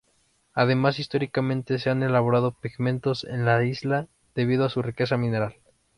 Además históricamente se han elaborado pigmentos en la isla debido a su riqueza mineral.